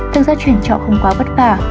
thực ra chuyển chợ không quá bất vả